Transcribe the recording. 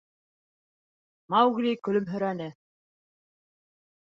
Маугли көлөмһөрәне.